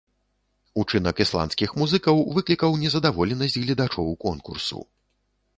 Учынак ісландскіх музыкаў выклікаў незадаволенасць гледачоў конкурсу.